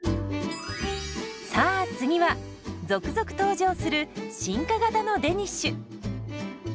さあ次は続々登場する進化型のデニッシュ。